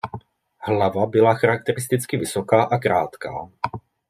Hlava byla charakteristicky vysoká a krátká.